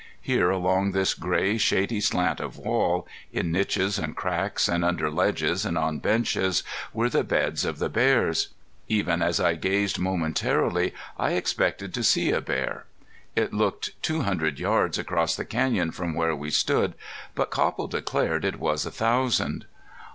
Here along this gray shady slant of wall, in niches and cracks, and under ledges, and on benches, were the beds of the bears. Even as I gazed momentarily I expected to see a bear. It looked two hundred yards across the canyon from where we stood, but Copple declared it was a thousand.